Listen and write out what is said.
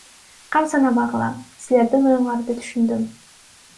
Кам санабагыла, силердин оюңарды түшүндүм.